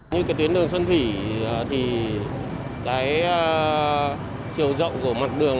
như cái tuyến đường xuân thủy thì cái chiều rộng của mặt đường